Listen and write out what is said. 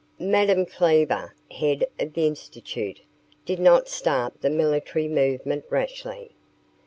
Madame Cleaver, head of the Institute, did not start the military movement rashly.